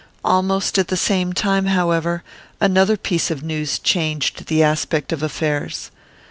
Almost at the same time, however, another piece of news changed the aspect of affairs.